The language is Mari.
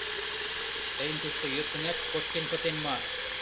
— Тыйын тушто йӧршынак кошкен пытен мо?